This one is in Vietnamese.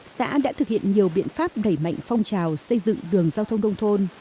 xã đã thực hiện nhiều biện pháp đẩy mạnh phong trào xây dựng đường giao thông đông thôn